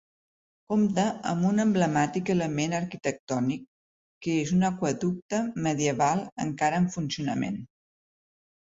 Compta amb un emblemàtic element arquitectònic que és un aqüeducte medieval encara en funcionament.